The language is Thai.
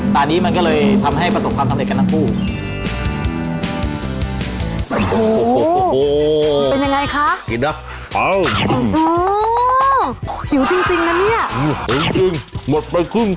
ตอนนี้มันก็เลยทำให้ประสบความสำเร็จกันทั้งคู่